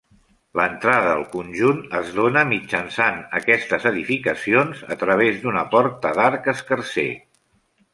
L'entrada al conjunt es dóna mitjançant aquestes edificacions, a través d'una porta d'arc escarser.